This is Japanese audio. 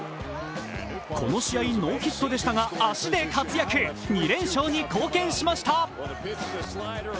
この試合ノーヒットでしたが、足で活躍、２連勝に貢献しました。